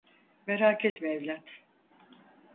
Merak etme evlat.